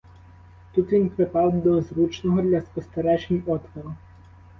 Тут він припав до зручного для спостережень отвору.